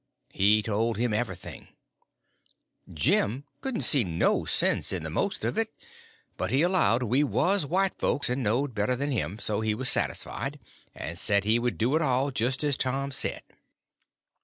He told him everything. Jim he couldn't see no sense in the most of it, but he allowed we was white folks and knowed better than him; so he was satisfied, and said he would do it all just as Tom said.